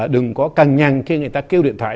đừng có căng nhăn khi người ta kêu điện thoại